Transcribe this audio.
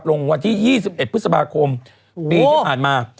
วันที่๒๑พฤษภาคมปีที่ผ่านมา